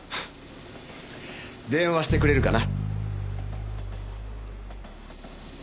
電話してくれるかな？